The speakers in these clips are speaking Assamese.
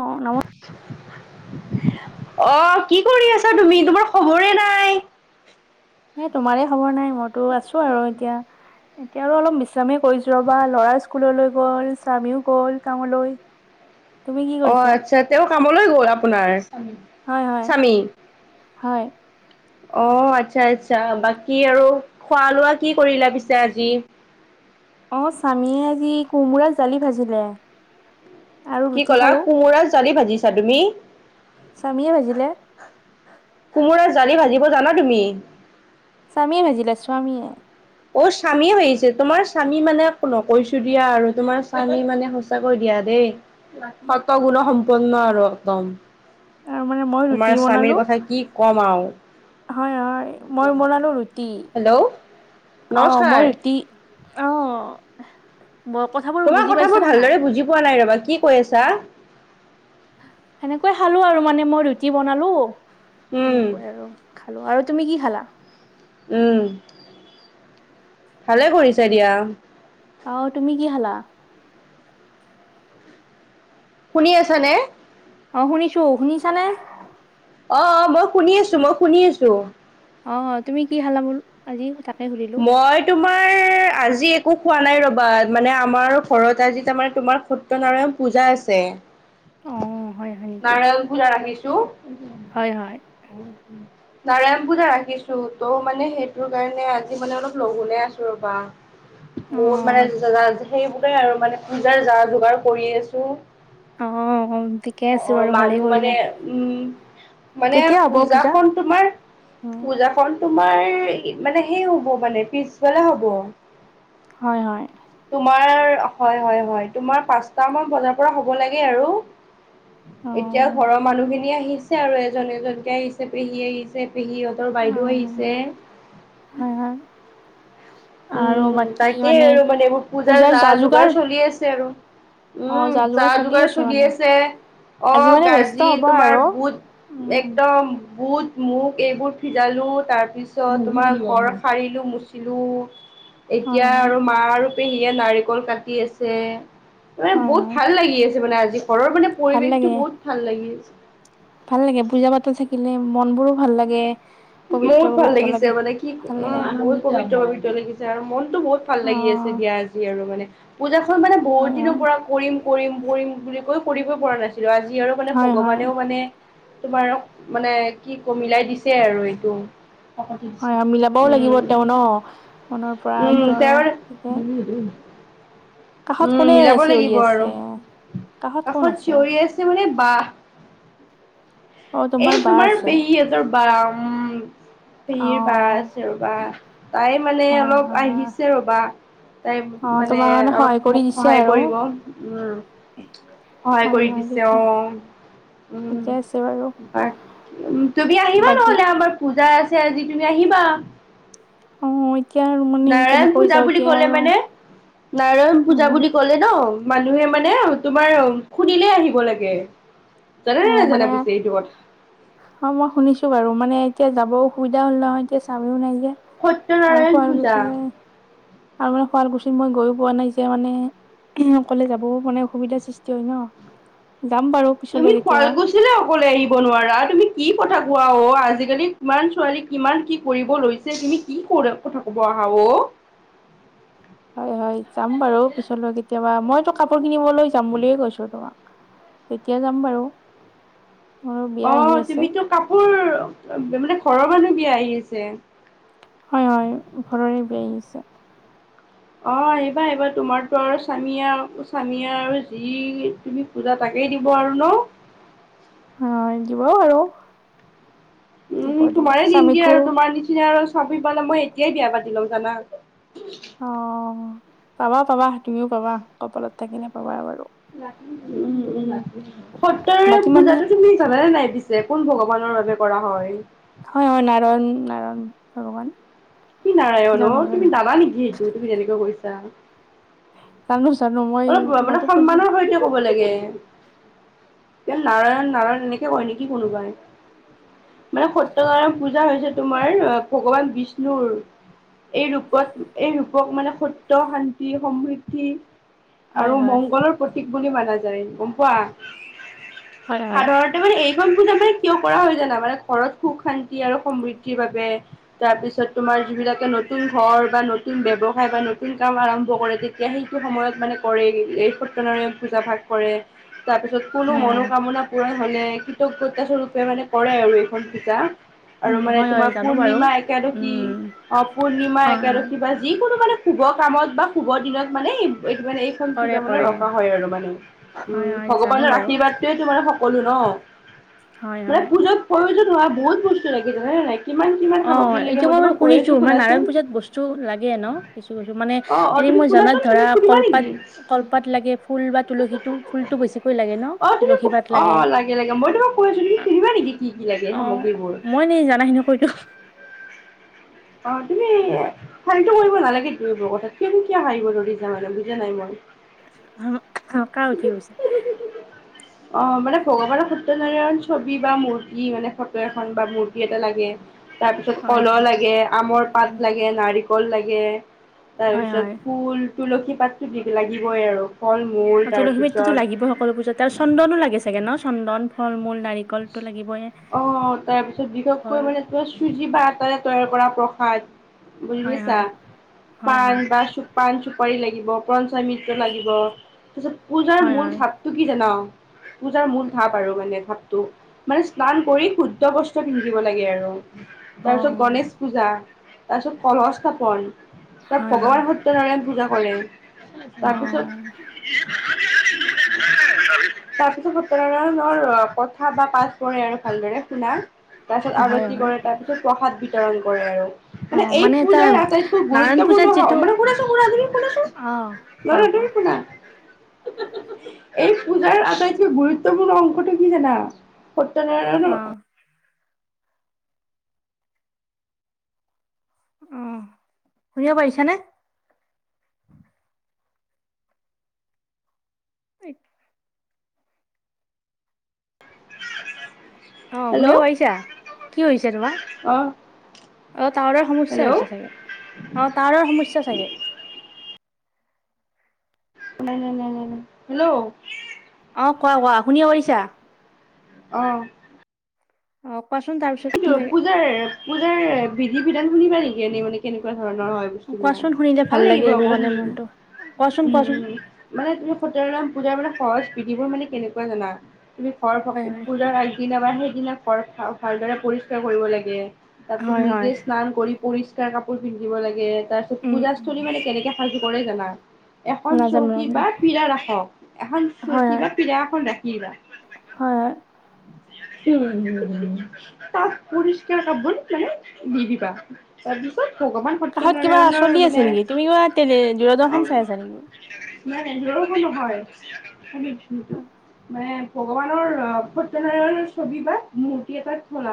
অ' নম অ' কি কৰি আছা তুমি, তোমাৰ খবৰে নাই। এ তোমাৰে খবৰ নাই, মইতো আছো আৰু এতিয়া। এতিয়া আৰু অলপ বিশ্ৰামে কৰিছো ৰ'বা, ল'ৰা স্কুললৈ গ'ল, স্বামীও গ'ল কামলৈ। [inaudible] অ' কৰিছা আচ্ছা তেওঁ কামলৈ গ'ল, আপোনাৰ হয় হয় স্বামী। হয়। অ' আচ্ছা-আচ্ছা, বাকী আৰু খোৱা-লোৱা কি কৰিলা পিছে আজি। অ' স্বামীয়ে আজি কোমোৰাাৰ জালি ভাজিলে। আৰু কি ৰুটি ক'লা খালো কোমোৰা জালি ভাজিছা তুমি। স্বামীয়ে ভাজিলে কোমোৰাৰ জালি ভাজিব জানা তুমি। স্বামীয়ে ভাজিলে স্বামীয়ে। অ' স্বামী ভাজিয়ে, তোমাৰ স্বামী মানে নকৈছো দিয়া আৰু তোমাৰ স্বামী মানে সঁচাকৈ দিয়া দেই। দেই সত গুণ সম্পন্ন আৰু একদম। তাৰ মানে মই তোমাৰ ৰুটি স্বামীৰ বনালো। কথা কি ক'ম আৰু হয়-হয় মই বনালো ৰুটি। হেল্ল' আহ নমস্কাৰ মই টি অ ব কথাবোৰ তোমাৰ বুজি কথাবোৰ পাইছানে নাই ভালদৰে বুজি পোৱা নাই ৰবা কি কৈ আছা সেনেকৈ খালো আৰু মানে মই ৰুটি বনালো উম সেনেকৈ আৰু খালো আৰু তুমি কি খালা উম ভালে কৰিছে দিয়া আহ তুমি কি হালা শুনি আছ নে অ শুনিছো শুনিছানে অ অ মই শুনি আছো মই শুনি আছো অ তুমি কি খালা মল আজি তাকে সুধিলো মই তোমাৰ আজি একো খোৱা নাই ৰবা মানে আমাৰ ঘৰত আজি তাৰমানে তোমাৰ সত্যনাৰায়ণ পূজা আছে অ হয় হয় নেকি নাৰায়ণ পূজা ৰাখিছো হয় হয় নাৰায়ণ পূজা ৰাখিছো তৌ মানে সেইটো কাৰণে আজি মানে অলপ লগোলোই আছো ৰ'বা অ বহুত মানে সেইবোৰেই আৰু মানে পূজাৰ যা যোগাৰ কৰি আছো অ ঠিকে আছে অ বাৰু ভালেই মানুহ মানে কৰিলা। উম মানে কেতিয়া হ'ব পূজা? পূজাখন তোমাৰ উম পূজাখন তোমাৰ মানে সেই হ'ব মানে পিছবালা হব হয় হয় তোমাৰ হয় হয় হয় তোমাৰ পচান বজাৰ পৰা হ'ব লাগে আৰু অ এতিয়া ঘৰৰ মানুহ খিনি আহি আহিছে আৰু এজন এজনকে আহিছে পেহী আহিছে পেহীহঁতৰ অ বাইদেউ আহিছে হয় হয় আৰু উম বাকী তাকেই আৰু মানে এইবোৰ পূজাৰ যা যোগাৰ চলি আছে আৰু উম যা যোগাৰ চলি আছে অ আজি মানে ব্যস্ত গাজি হ'ব তোমাৰ আৰু বুট উম একদম বুট মোক এইবোৰ ভিজালো তাৰ পিছত তোমাৰ ঘৰ সাৰিলো মুচিলো হয় এতিয়া হয় আৰু মা আৰু পেহীয়ে নাৰিকল কাটি আছে মানে হয় বহুত হয় ভাল লাগি আছে মানে আজি ঘৰৰ মানে ভাল পৰিৱেশটো লাগে বহুত ভাল লাগি আছে ভাল লাগে পুজা পাতো থাকিলে মন বোৰো ভাল লাগে পবিত্ৰ বহুত ভাল পবিত্ৰ লাগিছে লাগে মানে কি ভাল লাগে বহুত পবিত্ৰ পবিত্ৰ লাগিছে আৰু মনতটো বহুত ভাল অ লাগি আছে দিয়া আ যি আৰু মানে পূজাখন মানে বহুত হয় দিনৰ হয় পৰা কৰিম কৰিম কৰিম বুলি কৈ কৰিব পৰা নাছিল আজি আৰু মানে হয় হয় ভগৱানেও মানে তোমাৰ মানে কি কমিলাই দিছে আৰু এইটো কাকতি দিছে হয় আৰু মিলাবও লাগিব উম তেওঁ ন মনৰ পৰা উম এইটো আৰু তেওঁৰ সে উম মিলাব লাগিব আৰু আছে কোন কাষত আছে চিঞৰি আছে মানে বহ অ এই বা তোমাৰ আছে পেহী এজৰ বা উ অ ভিৰ বা আছে ৰব তাই মানে হয় অলপ হয় আহিছে ৰ'বা তাই অ মানে তোমাৰ কাৰণে সহায় অলপ কৰি মোক দিছে সহায় আৰু কৰিব উ সহায় হয় কৰি হয় দিছে ঠিকে অ উম ঠিকে আছে বাৰু তুমি আহিবা বাকী নহ'লে আমাৰ পূজা আছে আজি তুমি আহিবা অ এতিয়া আৰু মানে নাৰায়ণ কেনেকৈ পূজা যাওঁ বুলি এতিয়া কলে আৰু মানে নাৰায়ণ পূজা উম বুলি কলে ন মানুহে মানে তোমাৰ খুনিলে আহিব লাগে অ জানেনে নাই জানে মানে বুছে এইটো কথা অ মই শুনিছো বাৰু মানে এতিয়া যাব অসুবিধা হ'ল নহয় এতিয়া চামিও নাই যে আৰু সত্যনাৰায়ণ শোৱাল পূজা। গছে আৰু মানে শুৱালকুছিত মই গৈো পোৱা নাই যে মানে অকলে যাবও মানে অসুবিধাৰ সৃষ্টি হয় ন যাম বাৰু তুমি পিছলৈ কেতিয়াবা শুৱালকুছে অকলে আহিব নোৱাৰা তুমি কি কথা কোৱা অ আজিকালি কিমান ছোৱালী কিমান কি কৰিব লৈছে তুমি কি ক কথা কব আহা অ হয় হয় যাম বাৰু পিছলৈ কেতিয়াবা মইতো কাপোৰ কিনিবলৈ যাম বুলিয়ে কৈছো তোমাক এতিয়া যাম বাৰু মোৰো বিয়া অ আহি আছে তুমিতো কাপোৰ মানে ঘৰৰ মানুহ বিয়া আহিছে বছে অ আহিবা আহিবা তোমাৰতো আৰু স্বামিয় স্বামিয় আৰু যি তুমি পূজা তাকে এ দিব আৰু ন অ দিব আৰুাৰ উম তোমাৰে দিমগে আৰু তোমাৰ নিচিনা আৰু চামি পালে মই এতিয়াই বিয়া পাতি লম জানা অ পাবা পাবা তুমিও পাবা কপালত থাকিলে পাবা বাৰু উম উম ৰাতি সত্ৰৰে বাকী মানে পূজাতটো তুমি জানানে নাই পিছে কোন ভগৱান ভগৱানৰ বাবে কৰা হয় হয় হয় নাৰায়ণ নাৰায়ণ ভগৱান কি নাৰায়ণ অ জানো তুমি জানো নাবা নেকি সেইটো তুমি তেনেকুৱৈ কৈছা জানো জানো মই অলপ মানে মইতো পুজি সন্মানৰ সৈতে ক'ব লাগে ন্ত নাৰায়ণ নাৰায়ণ এনেকে কয় নেকি কোনোবাই মানে সত্য় নায়ৰ পূজা হৈছে তোমাৰ ভগৱান বিষ্ণুৰ এই ৰূপত এই ৰূপক মানে সত্ শান্তি সমৃদ্ধি হয় আৰু হয় মংগলৰ প্ৰতীক বুলি মানা যায় গম পোৱা হয় হয় সাধাৰণতে মানে এই দুগ পূজা মানে কিয় কৰা হয় জানা মানে ঘৰত সুখ শান্তি আৰু সমৃদ্ধিৰ বাবে তাৰপিছত তোমাৰ যিবিলাকে নতুন ঘৰ বা নতুন ব্যৱসায় বা নতুন কাম আৰম্ভ কৰে তেতিয়া সেইটো সময়ত মানে কৰে এই সত্্য ন পূজা ভাাগ কৰে তাৰ পিছত কোনো হয় হয় মনোকামনা পূৰাণ মানে কৃতজ্ঞতা স্বৰূপে মানে কৰে আৰু এইখন পিতা আৰু উম মানে হয় হয় তোমাৰ জানো বাৰু পূৰ্ণিমা একাদশী উম অ পূৰ্ণিমা হয় হয় একাদশী বা যিকোনো মানে শুভ কামত বা শুভৰ দিনত মানে এইটো মানে এইখন কৰে তাৰ মানে কৰে ৰখা হয় আৰু মানে হয় উম হয় জানো ভগৱানৰ বাৰু আশীৰ্বাদটয়ে তো মানে কলো ন হয় মানে হয় পুজাত প্ৰয়োজন হোৱা বহুত বস্তু লাগিছে নাই কিমান কিমান অ সামগ্ৰী লাগে এতিয়া মই তোমাক বু কৈ আছো শুনিছো মানে শুনাচোন নাৰায়ণ পূজাত বস্তু লাগে ন কিছু কিছু মানে অ অ এনে তুমি মই জনাত শুনাচোন ধৰা তুমি শুনিবা কলপাত নেকি কলপাত লাগে ফুল বা তুলসীটো ফুলতটো বেছিকৈ লাগে ন অ তুমি তুলসী পাত অ লাগে লাগে লাগে মই তোমাক কৈ আছো তি সুধিবা নেকি কি কি লাগে অ সামগ্ৰীবোৰ মই নি জানাখিনি কৈতো অ তুমি হাৰীটো কৰিব নালাগে তমোৰ কাত কিয় কিয় হাৰিব যা ম বুজা নাই মই অকাও কিছে অ মানে ভগৱানৰ সত্যনাৰায়ণ ছবি বা মূৰ্তি মানে ফটো এখন বা মূৰ্তি এটা লাগে তাৰপিছত হয় কলহ লাগে আমৰ হয় পাত লাগে নাৰিকল লাগে হয় হয় তাৰপিছত ফুল তুলসী পাততো দি লাগিবই আৰু ফল অ, মূল তুলসী মিতটোতো লাগিবই সকলো পূজাত তাৰপিছত আৰু চন্দনো লাগি চাগে ন চন্দন ফল মূল নাৰিকলটো লাগিবই অ তাৰপিছত বিশেষকৈ কল মানে ত চুজি বা আটাৰে তৈয়াৰ কৰা হয় বজিছা হয় হয় হয় পণ বা চ পাণ চুপাৰি লাগিব য় মিত্ৰ লাগিব তাৰপিছত পূজাৰ হয় মূল হয় চাপটো কি জান পূজাৰ মূল ধাপ আৰু মানে ধাপ মানে স্নান কৰি শুদ্ধ বস্ত পিন্ধিব লাগে আৰু অ তাৰপিছত গণেশ পূজা তাৰপিছত কলহস্থ্থাপন তাত হয় হয় ভগৱান সত্য়নাৰায়ণ পূজা কৰে অ তাৰপিছত তাৰ পিছত সতৰানৰ কথা বা পাছব আৰু ভালদৰে শুনা তাৰ পিছত হয় আৰতি হয় কৰে তাৰ পিছত প্ৰসাদ বিতৰণ কৰে আৰু। অ মানে এই এটা পূজাৰ আটাইতকৈ নাৰায়ণ গুৰুত্বপূৰ্ণ পূজাত হ যিটো শুনাচোন শুনা অ কোৱা লৰা এই কোৱা পূজাৰ আটাইতকৈ গুৰুত্বপূৰ্ণ অংশটো কি জানা। পু্ত ন নো অ [unintelligible] অ', শুনিব পাৰিছে নে। স অ', হেল্ল' শুনিব পাৰিছা কি হৈছে তোমাৰ? অ অ', টাৱাৰৰ সমস্যা হেল্ল' হৈছে চাগে অ টাৱাৰৰ সমস্যা চাগে। নাই নাই নাই নাই ন হেল্ল'। অ', কোৱা কোৱা শুনিব পাৰিছা। অ'। অ'। কোৱাচোন তাৰপিছত কি কিন্তু লাগে পূজাৰ পূজাৰ বিধি বিধান শুনিবা নেকি এনেই মানে কেনেকুৱা। ধৰণৰ হয় কোৱাচোন শুনিলে বস্তুবিলাক ভাল লাগে লাগিব এইবোৰ আকৌ মানে শুনি। মনটো কোৱাচোন উম কোৱাচোন উম মানে তুমি সত্যনাৰায়ণ পূজাবিলাক। সৰ স্পৃতি বোৰ মানে কেনেকুৱা জানা তুমি ঘৰ হয় হয় পূজাৰ আগদিনা বা সেই দিনা ভালদৰে পৰিষ্কাৰ কৰিব লাগে তাৰ পিছত হয় নিজে হয় স্নান কৰি পৰিষ্কাৰ কাপ কাপোৰ পিন্ধিব লাগে তাৰ পিছত উম উম পূজাস্থলী মানে কেনেকে সাজু কৰে জানা? এখন নাজানো চৌকী নাজানো বা পীড়া ৰাখক এখন হয় চৌকী হয় বা পীড়া এখন ৰাখিবা, হয়। কি? তাত পৰিষ্কাৰ কাপোৰ মে দি দিবা তাৰপিছত, কাষত কিবা ভগৱান চলি আছে নেকি তুমি সত্যনাৰায়ণৰ কিবা টেলি মানে দূৰদৰ্শন চাই আছা অ', নেকি ইমান এধোৰো নহয়। ছ যোনটো মানে ভগৱানৰ সত্যনাৰায়ণৰ ছবি বা মূৰ্তি এটাত শল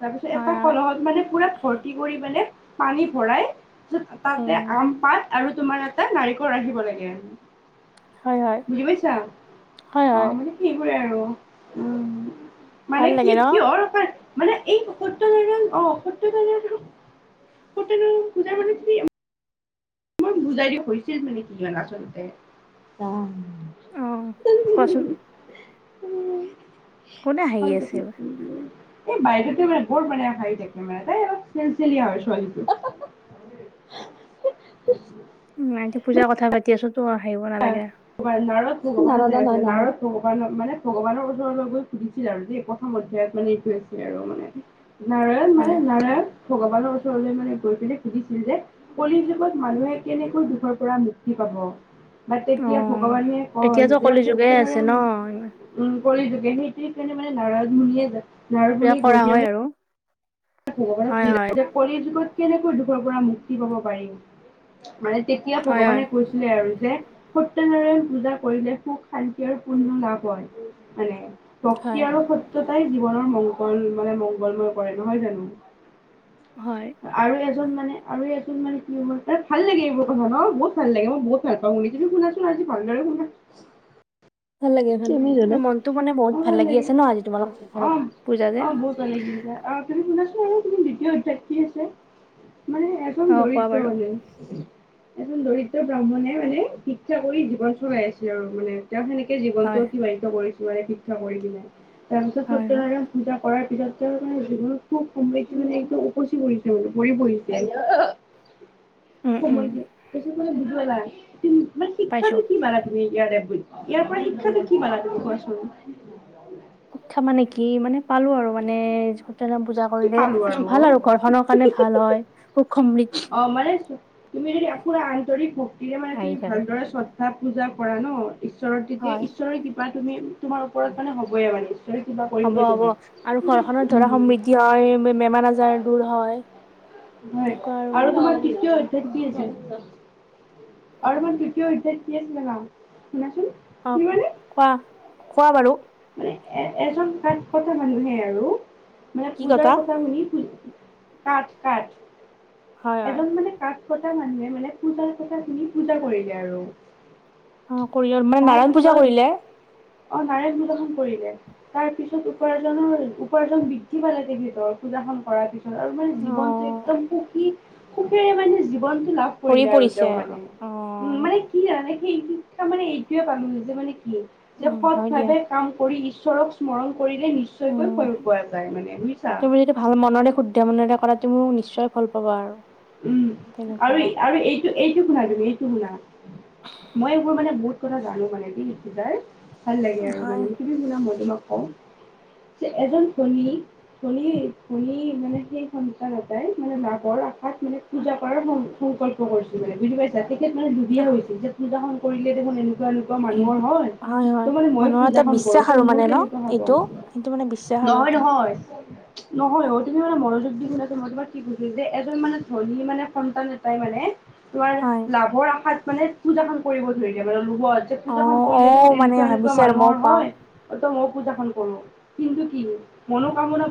তাৰ পিছত হয় এটা হয় কলহত মানে পুৰা ভৰ্তি কৰি মানে পানী ভৰাই উম তাতে আম পাত আৰু তুমাৰ এটা নাৰিকল ৰাখিব লাগে। হয় হয় বুজি পাইছা হয় হয় অ', মানে সেইবোৰে আৰু। উ মানে, ভাল কি লাগে ন কিহৰ মানে এই সত্যনাৰায়ণ অ সত্যনাৰায়ণ কত পূজাৰ মানুহ খিনি। ই বুজাই হৈ হৈছে মানে কিমান আচলতে। আহ কোৱাচোন। উ, কোনে হাঁহি ভাল আছে [unintelligible] এই বাইদেতে মানে বৰ মানে হাই থাকে মানে তাই অলপ চেল চেলিয়া হয় ছোৱালীটো। [inaudible] উম আজি পূজাৰ কথা পাতি আছো। তো হাঁহিব নালাগে ম নাৰদ ভগৱান নাৰদ ভগৱানক মানে ভগৱানৰ ওচৰলৈ গৈ সুধিছিল আৰু যে এই প্ৰথম অধ্যায়ত মানে এইটো আছে আৰু মানে। নাৰায়ণ মানে হয় নাৰায়ণ। ভগৱানৰ ওচৰলৈ মানে গৈ পেলনে সুধিছিল যে কলিৰ যুগত মানুহে কেনেকৈ দুখৰ পৰা মুক্তি ম অ এতিয়া ভগৱানে কয় এতিয়াতো যে কলি খুব যুগে কেদৰে আছে ন উম কৰি গ নীতিৰ কাৰণে মানে নাৰদমণিয়ে কিবা নাৰদমণি গৈ কৰা পেলাই হয় মানে আৰু ভগৱানক হয় হয় ক যুগত কেনেকৈ দুখৰ পৰা মুক্তি পাব পাৰিম। মানে তেতিয়া হয় হয় ভগৱানে কৈছিলে আৰু যে, তেদৰে পূজা কৰিলে সুখ শান্তি আৰু পুৰ্ণ লাভ হয় মানে। হয় ভক্তি আৰু সত্যতাই জীৱনৰ মংগল মানে মংগলময় কৰে নহয় জানো। হয় আৰু এজন মানে, আৰু এজন মানে কি হয় তাৰ ভাল লাগে এইবোৰ কথা ন বহুত ভাল লাগে মই বহুত ভাল পাওঁ বুলি শুনাচোন আজি ভালদৰে। শুনা [inaudible] ভাল লাগে - ভাল তুমি লাগে জনা আৰু মনতটো মানে বহুত অ ভাল লাগি লাগে আছে ন আজি তোমালোক অ ঘৰত পূজা অ যে। বহুত ভাল লাগি তুমি শুনা তুমি দ্বিতীয় অধ্যয়াত কি আছে মানে এজন অ কোৱা দৰিদ্ৰ বাৰু মানে। এজন দৰিদ্ৰ ব্ৰাহ্মণে মানে শিক্ষা কৰি জীৱন চলাই আছিল আৰু মানে তেও সেনেকে জীৱনতটো হয় অতিবাহিত কৰিছো মানে শিক্ষা কৰিছিলোই তাৰ পিছত হয় সত্ৰ হয় পূজা। কৰাৰ পিছত তেও মানে জীৱনত খুব সমৃদ্ধি মানে একদম উপচি পৰিছে মানে ভৰি পৰিছে। [inaudible] উম সময় বুজ না মানে পাইছো শিক্ষাটো কি মানা তুমি ইয়াৰে। ইয়াৰ পৰা শিক্ষাটো কি পালা তুমি কোৱাছোন। উৎসা মানে কি মানে পালো আৰু মানে তে পূজা কি কৰিলে পালো ভাল অ'। আৰু ঘৰখনৰ কাৰণে ভাল হয় সুখ সমৃদ্ধি অ মানে চো- তুমি যদি আকুৰা আন্তৰিক ভক্তিৰে মানে আহি তুমি থাকে ভালদৰে শ্ৰদ্ধা পূজা কৰা ন ঈশ্বৰ তেতিয়া হয় ঈশ্বৰ কৃপা তুমি তোমাৰ ওপৰত মানে হ'বইে মানে। ঈশ্বৰে কিবা হ'ব - কৰিবই হ'ব তোমাক আৰু ঘৰখননৰ ধৰা উম সমৃদ্ধি হয় বেমাৰ আজাৰ দূৰ হয়। হয় এনেকুৱা আৰু মানে তোমাৰ তৃতীয় অধ্যাত কি আছে আৰু তোমাৰ তৃতীয় অধ্যায়ত ইত কি আছে জানা। শুনাচোন অ, কি কোৱা মানে - কোৱা - কোৱা বাৰু। এ মানে এজন সাত কথা মানুহে আৰু মানে পূজাৰ কথা শুনি কাঠ- কাঠ হয় হয় এজন মানে কাঠ কটা মানুহে মানে পূজা কটা শুিনি পূজা কৰিলে আৰু। অ, কৰি মানে তাৰ নাৰায়ণ পূজা পিছত কৰিলে। অ, নাৰায়ন পূজখনন কৰিলে তাৰ পিছত উপাৰ্জনৰ - উপাৰ্জন বৃদ্ধি পালে তে ভিতৰ পূজা কৰাৰ পিছত আৰু মানে জীৱনটো অ একদম সুখী সুখেৰে মানে জীৱন লাভ ভৰি কৰিলে আৰু পৰিছে তেও মানে অ উম, মানে কি আনে সেই শিক্ষা মানে এইটোৱে পানো যে মানে কি যে উম সৎ হয় দিয়া ভাৱে কাম কৰি ঈশ্বৰক স্মৰণ কৰিলে নিশ্চয়কৈ উম ফল পোৱা যায় মানে বুজিছা। কৰাটো মোক নিশ্চয় ভাল পাবা আৰু। উম, আৰু তেনেকুৱা আৰু এইটো - এইটো টো শুনা তুমি এইটো শুনা মই এইবোৰ মানে বহুত কথা জানো মানে কি তাৰ ভাল লাগে আৰু হয় মানে তুমি শুনা মই তোমাক কওঁ [inaudible] যে এজন ধনী - ধনী - ধনী মানে সেই সঞ্চাৰতোই মানে নভৰ আশ তাত মানে পূজা কৰাৰ সংকল্প কৰিছো মানে বুজি পাইছা তেখেত মানে দুুবিীয়া হৈছিল যে পূজাখন কৰিলে দেখোন এনেক একুৱা এনেকুৱা মানুহৰ হয় হয় ত মানে মই মানুহৰ এটা পূজাখন কৰো বিশ্বাস ত আৰু মোৰ মানে ন কেনেকুৱা হ'ব। এইটো সেইটো মানে বিশ্বাস আৰু নহয় - এটা নহয় - নহয় অ, তুমি মানে মনোযোগ দি শুনাচোন মই তোমাক কি কৈছো যে এ মান ধনী মানে সন্তান এটাই মানে তোমাৰ হয় লাভৰ আশাত মানে পূজাখন কৰিব ধৰি দিয়ে মানে লগত যে অ পূজাখন কৰিলে দেখোন অ মানে এনেকুৱা - এনেকুৱা ভাবিছে আৰু মইও মানুহৰ পাম হয় ত মোক পূজাখন কৰো কিন্তু কি মনোকামনা